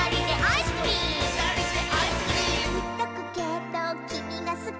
「いっとくけどきみがすき」